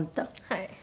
はい。